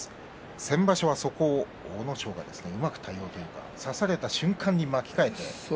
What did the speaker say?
先場所は、そこを阿武咲がうまく対応というか差された瞬間に巻き替えて。